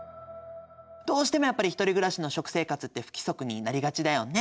どうしてもやっぱり１人暮らしの食生活って不規則になりがちだよね。